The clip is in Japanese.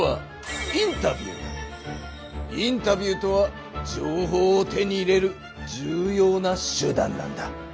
インタビューとは情報を手に入れる重ような手だんなんだ。